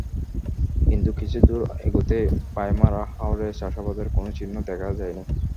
কিন্তু কিছু দূর এগোতেই ভাইমারা হাওরে চাষাবাদের কোনো চিহ্ন দেখা যায়নি।